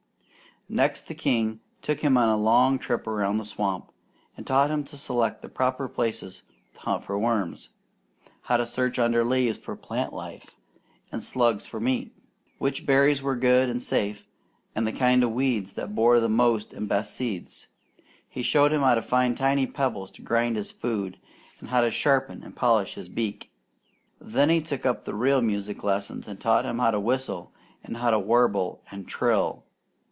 Next, the king took him on a long trip around the swamp, and taught him to select the proper places to hunt for worms; how to search under leaves for plant lice and slugs for meat; which berries were good and safe, and the kind of weeds that bore the most and best seeds. He showed him how to find tiny pebbles to grind his food, and how to sharpen and polish his beak. Then he took up the real music lessons, and taught him how to whistle and how to warble and trill.